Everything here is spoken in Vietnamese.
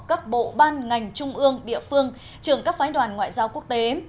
các bộ ban ngành trung ương địa phương trường các phái đoàn ngoại giao quốc tế